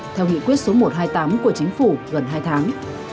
theo nghị quyết số một trăm hai mươi tám của chính phủ gần hai tháng